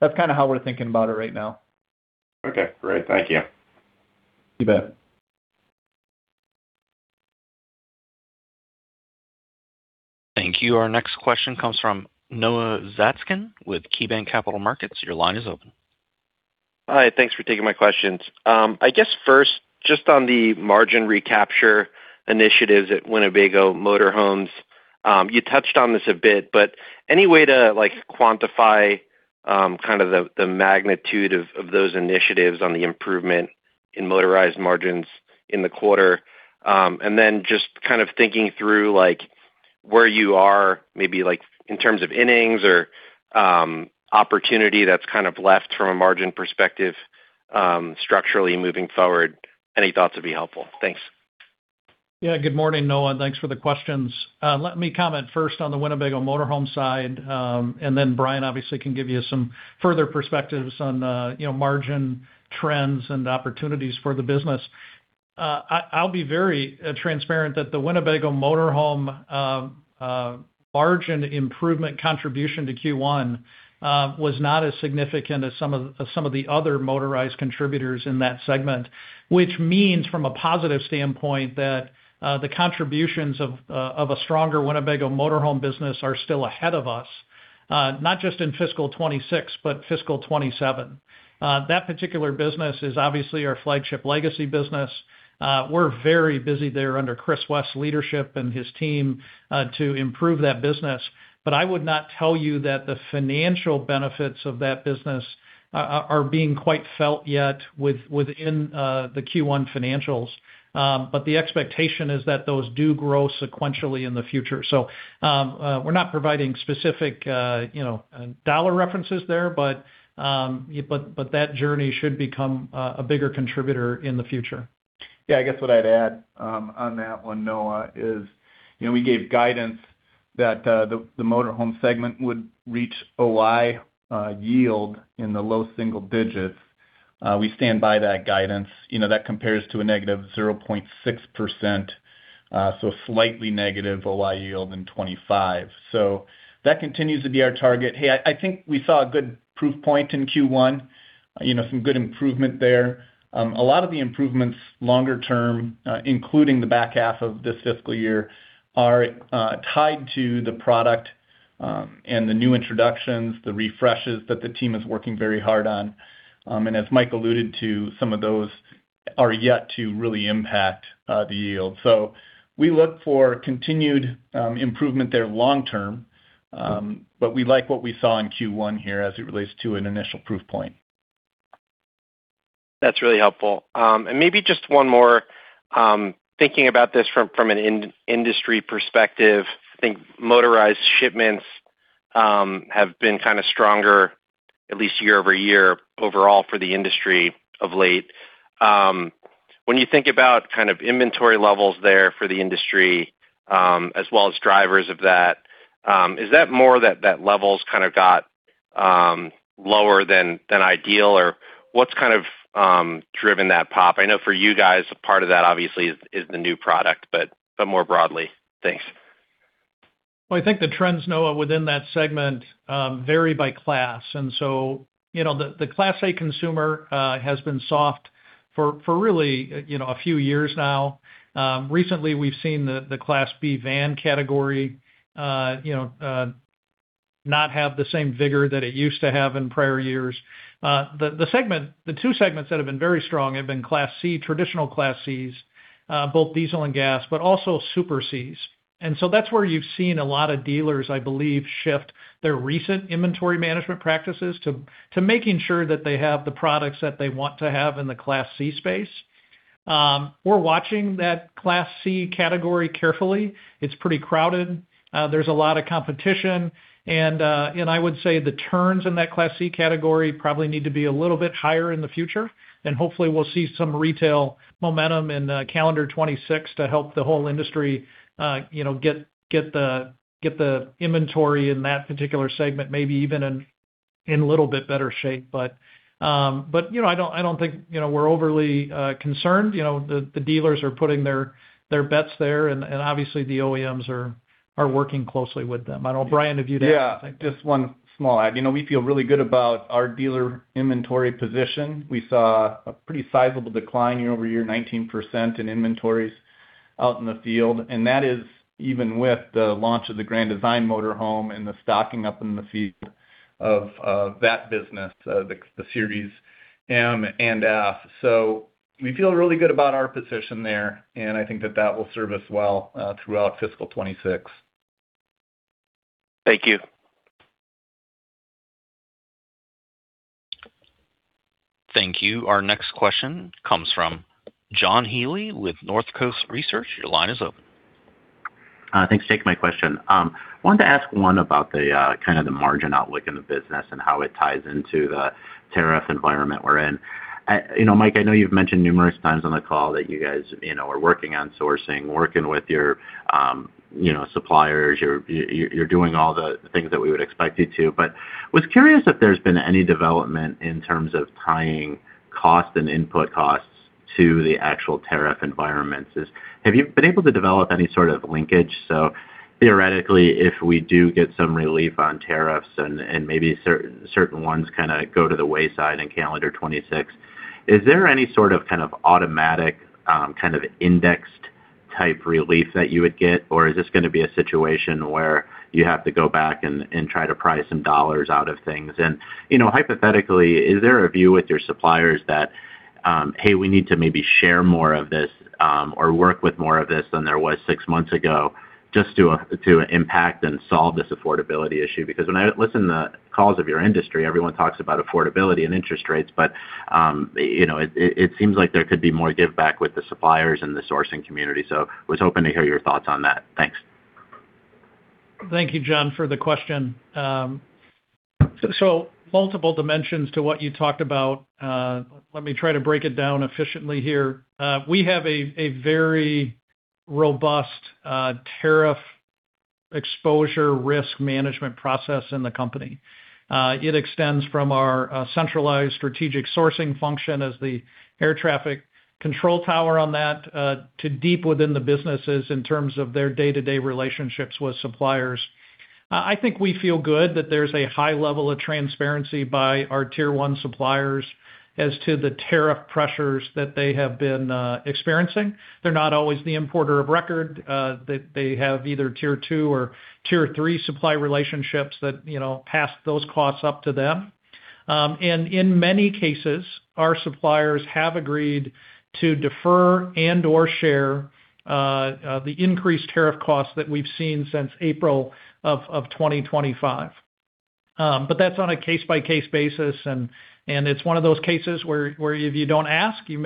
that's kind of how we're thinking about it right now. Okay. Great. Thank you. You bet. Thank you. Our next question comes from Noah Zatzkin with KeyBanc Capital Markets. Your line is open. Hi. Thanks for taking my questions. I guess first, just on the margin recapture initiatives at Winnebago Motorhomes, you touched on this a bit, but any way to quantify kind of the magnitude of those initiatives on the improvement in motorized margins in the quarter? And then just kind of thinking through where you are, maybe in terms of innings or opportunity that's kind of left from a margin perspective structurally moving forward, any thoughts would be helpful. Thanks. Yeah. Good morning, Noah. Thanks for the questions. Let me comment first on the Winnebago Motorhome side, and then Bryan obviously can give you some further perspectives on margin trends and opportunities for the business. I'll be very transparent that the Winnebago Motorhome margin improvement contribution to Q1 was not as significant as some of the other motorized contributors in that segment, which means from a positive standpoint that the contributions of a stronger Winnebago Motorhome business are still ahead of us, not just in fiscal 2026, but fiscal 2027. That particular business is obviously our flagship legacy business. We're very busy there under Chris West's leadership and his team to improve that business. But I would not tell you that the financial benefits of that business are being quite felt yet within the Q1 financials. But the expectation is that those do grow sequentially in the future. We're not providing specific dollar references there, but that journey should become a bigger contributor in the future. Yeah. I guess what I'd add on that one, Noah, is we gave guidance that the Motorhome segment would reach OI yield in the low single digits. We stand by that guidance. That compares to a negative 0.6%, so slightly negative OI yield in 2025. So that continues to be our target. Hey, I think we saw a good proof point in Q1, some good improvement there. A lot of the improvements longer term, including the back half of this fiscal year, are tied to the product and the new introductions, the refreshes that the team is working very hard on. And as Mike alluded to, some of those are yet to really impact the yield. So we look for continued improvement there long term, but we like what we saw in Q1 here as it relates to an initial proof point. That's really helpful, and maybe just one more. Thinking about this from an industry perspective, I think motorized shipments have been kind of stronger, at least year over year overall for the industry of late. When you think about kind of inventory levels there for the industry as well as drivers of that, is that more that level's kind of got lower than ideal, or what's kind of driven that pop? I know for you guys, part of that obviously is the new product, but more broadly. Thanks. I think the trends, Noah, within that segment vary by class. The Class A consumer has been soft for really a few years now. Recently, we've seen the Class B van category not have the same vigor that it used to have in prior years. The two segments that have been very strong have been Class C, traditional Class Cs, both diesel and gas, but also Super Cs. That's where you've seen a lot of dealers, I believe, shift their recent inventory management practices to making sure that they have the products that they want to have in the Class C space. We're watching that Class C category carefully. It's pretty crowded. There's a lot of competition. I would say the turns in that Class C category probably need to be a little bit higher in the future. And hopefully, we'll see some retail momentum in calendar 2026 to help the whole industry get the inventory in that particular segment, maybe even in a little bit better shape. But I don't think we're overly concerned. The dealers are putting their bets there, and obviously, the OEMs are working closely with them. I don't know, Bryan. Have you to add anything? Yeah. Just one small add. We feel really good about our dealer inventory position. We saw a pretty sizable decline year over year, 19% in inventories out in the field, and that is even with the launch of the Grand Design Motorhome and the stocking up in the field of that business, the Series M and F, so we feel really good about our position there, and I think that that will serve us well throughout fiscal 2026. Thank you. Thank you. Our next question comes from John Healy with North Coast Research. Your line is open. Thanks for taking my question. I wanted to ask one about kind of the margin outlook in the business and how it ties into the tariff environment we're in. Mike, I know you've mentioned numerous times on the call that you guys are working on sourcing, working with your suppliers. You're doing all the things that we would expect you to. But I was curious if there's been any development in terms of tying cost and input costs to the actual tariff environments. Have you been able to develop any sort of linkage? So theoretically, if we do get some relief on tariffs and maybe certain ones kind of go to the wayside in calendar 2026, is there any sort of kind of automatic kind of indexed type relief that you would get, or is this going to be a situation where you have to go back and try to price some dollars out of things? And hypothetically, is there a view with your suppliers that, "Hey, we need to maybe share more of this or work with more of this than there was six months ago just to impact and solve this affordability issue?" Because when I listen to the calls of your industry, everyone talks about affordability and interest rates, but it seems like there could be more give back with the suppliers and the sourcing community. So I was hoping to hear your thoughts on that. Thanks. Thank you, John, for the question. So multiple dimensions to what you talked about. Let me try to break it down efficiently here. We have a very robust tariff exposure risk management process in the company. It extends from our centralized strategic sourcing function as the air traffic control tower on that to deep within the businesses in terms of their day-to-day relationships with suppliers. I think we feel good that there's a high level of transparency by our tier-one suppliers as to the tariff pressures that they have been experiencing. They're not always the importer of record. They have either tier-two or tier-three supply relationships that pass those costs up to them. And in many cases, our suppliers have agreed to defer and/or share the increased tariff costs that we've seen since April of 2025. But that's on a case-by-case basis. It's one of those cases where if you don't ask, you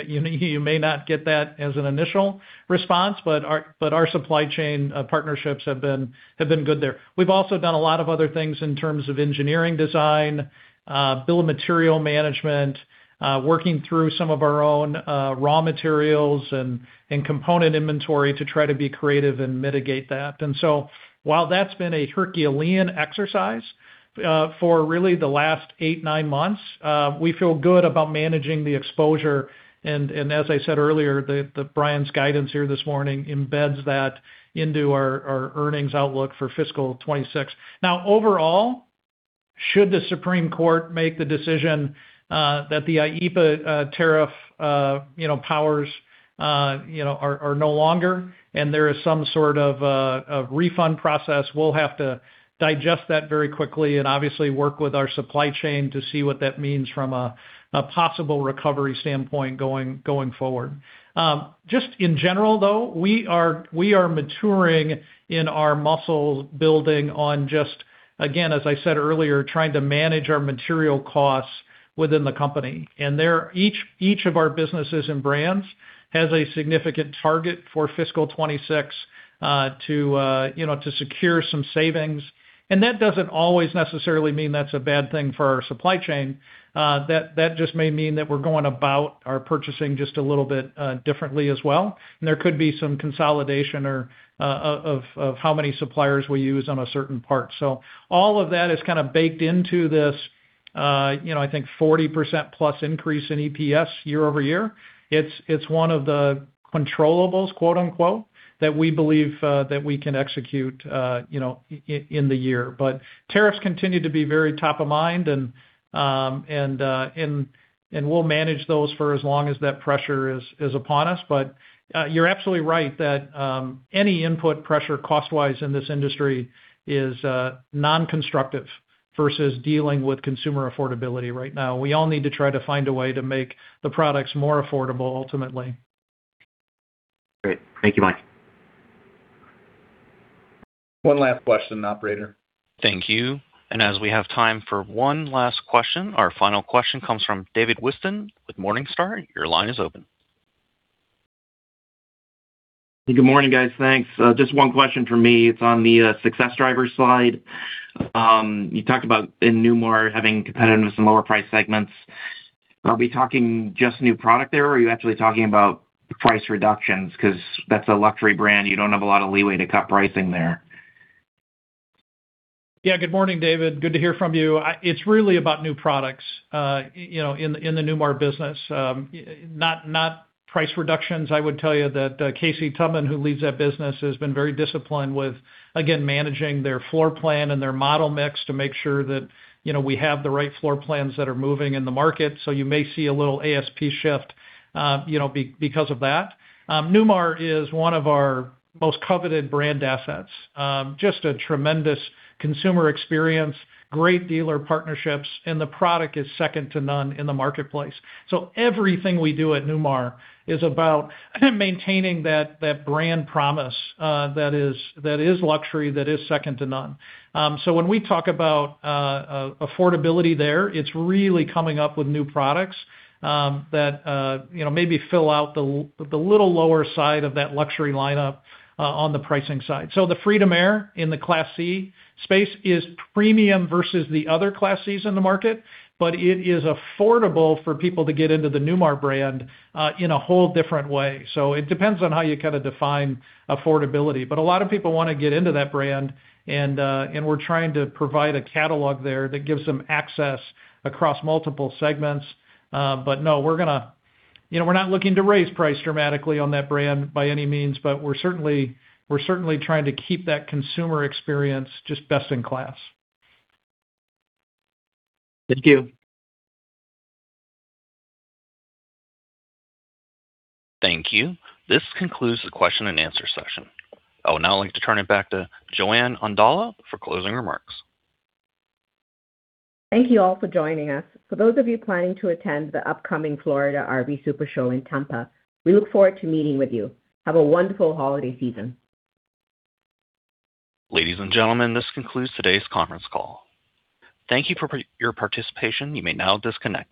may not get that as an initial response. But our supply chain partnerships have been good there. We've also done a lot of other things in terms of engineering design, bill of material management, working through some of our own raw materials and component inventory to try to be creative and mitigate that. And so while that's been a Herculean exercise for really the last eight, nine months, we feel good about managing the exposure. And as I said earlier, Bryan's guidance here this morning embeds that into our earnings outlook for fiscal 2026. Now, overall, should the Supreme Court make the decision that the IEEPA tariff powers are no longer and there is some sort of refund process, we'll have to digest that very quickly and obviously work with our supply chain to see what that means from a possible recovery standpoint going forward. Just in general, though, we are maturing in our muscle building on just, again, as I said earlier, trying to manage our material costs within the company. And each of our businesses and brands has a significant target for fiscal 2026 to secure some savings. And that doesn't always necessarily mean that's a bad thing for our supply chain. That just may mean that we're going about our purchasing just a little bit differently as well. And there could be some consolidation of how many suppliers we use on a certain part. So all of that is kind of baked into this, I think, 40%+ increase in EPS year over year. It's one of the "controllables," quote-unquote, that we believe that we can execute in the year. But tariffs continue to be very top of mind, and we'll manage those for as long as that pressure is upon us. But you're absolutely right that any input pressure cost-wise in this industry is non-constructive versus dealing with consumer affordability right now. We all need to try to find a way to make the products more affordable ultimately. Great. Thank you, Mike. One last question, operator. Thank you. And as we have time for one last question, our final question comes from David Whiston with Morningstar. Your line is open. Good morning, guys. Thanks. Just one question for me. It's on the success driver side. You talked about in Newmar having competitiveness in lower price segments. Are we talking just new product there, or are you actually talking about price reductions? Because that's a luxury brand. You don't have a lot of leeway to cut pricing there. Yeah. Good morning, David. Good to hear from you. It's really about new products in the Newmar business. Not price reductions. I would tell you that Casey Tubman, who leads that business, has been very disciplined with, again, managing their floor plan and their model mix to make sure that we have the right floor plans that are moving in the market. So you may see a little ASP shift because of that. Newmar is one of our most coveted brand assets. Just a tremendous consumer experience, great dealer partnerships, and the product is second to none in the marketplace. So everything we do at Newmar is about maintaining that brand promise that is luxury, that is second to none. So when we talk about affordability there, it's really coming up with new products that maybe fill out the little lower side of that luxury lineup on the pricing side. So the Freedom Aire in the Class C space is premium versus the other Class Cs in the market, but it is affordable for people to get into the Newmar brand in a whole different way. So it depends on how you kind of define affordability. But a lot of people want to get into that brand, and we're trying to provide a catalog there that gives them access across multiple segments. But no, we're not looking to raise price dramatically on that brand by any means, but we're certainly trying to keep that consumer experience just best in class. Thank you. Thank you. This concludes the question and answer session. Oh, now I'd like to turn it back to Joanne Ondala for closing remarks. Thank you all for joining us. For those of you planning to attend the upcoming Florida RV SuperShow in Tampa, Florida, we look forward to meeting with you. Have a wonderful holiday season. Ladies and gentlemen, this concludes today's conference call. Thank you for your participation. You may now disconnect.